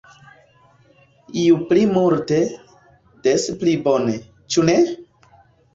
Ju pli multe, des pli bone, ĉu ne?